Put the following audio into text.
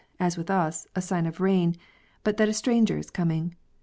as with us, a sign of rain, but that a stranger is coming.